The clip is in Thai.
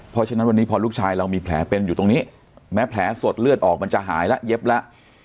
เพราะฉะนั้นวันนี้พอลูกชายเรามีแผลเป็นอยู่ตรงนี้แม้แผลสดเลือดออกมันจะหายแล้วเย็บแล้ว